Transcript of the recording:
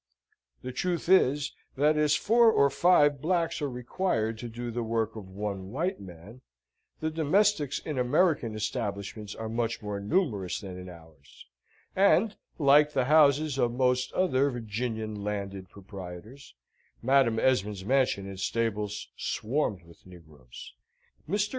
The truth is, that as four or five blacks are required to do the work of one white man, the domestics in American establishments are much more numerous than in ours; and, like the houses of most other Virginian landed proprietors, Madam Esmond's mansion and stables swarmed with negroes. Mr.